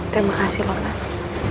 terima kasih loh mas